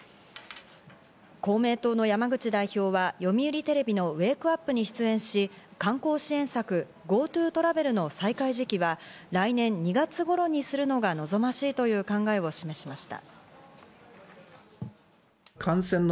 公明党の山口代表は読売テレビの『ウェークアップ』に出演し、観光支援策、ＧｏＴｏトラベルの再開時期は来年２月頃にするのが望ましいという考えを示しました。